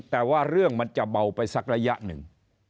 แต่ว่าเรื่องมันจะเบาไปสักระยะหนึ่ง